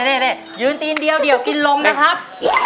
นี่ยืนตีนเดียวเดี๋ยวกินลมนะครับ